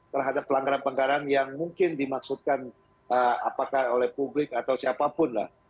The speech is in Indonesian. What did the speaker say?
terhadap pelanggaran pelanggaran yang mungkin dimaksudkan apakah oleh publik atau siapapun lah